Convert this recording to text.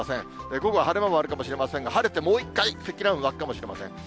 午後は晴れ間もあるかもしれませんが、晴れてもう一回、積乱雲、湧くかもしれません。